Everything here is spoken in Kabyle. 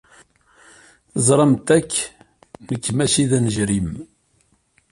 Teẓramt akk nekk maci d anejrim.